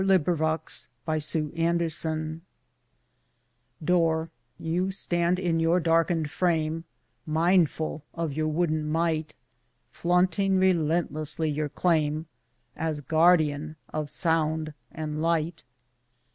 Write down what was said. Footfall 19 TO A DOOR Door, you stand in your darkened frame Mindful of your wooden might, Flaunting relentlessly your claim As guardian of sound and light.